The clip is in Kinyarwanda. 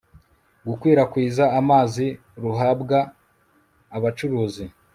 gukwirakwiza amazi ruhabwa abacuruzi